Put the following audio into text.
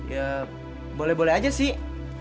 ya boleh boleh aja sih